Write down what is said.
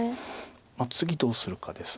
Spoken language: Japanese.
次どうするかです。